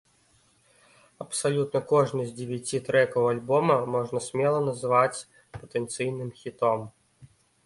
Абсалютна кожны з дзевяці трэкаў альбома можна смела назваць патэнцыйным хітом.